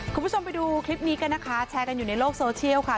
คุณผู้ชมไปดูคลิปนี้กันนะคะแชร์กันอยู่ในโลกโซเชียลค่ะ